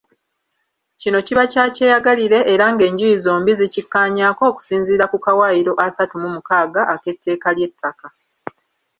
Kino kiba kya kyeyagalire era ng’enjuyi zombi zikikkaanyaako okusinziira ku kawaayiro asatu mu mukaaga ak’etteeka ly’ettaka.